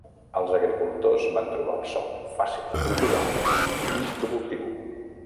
Els agricultors van trobar el sòl fàcil de cultivar i productiu.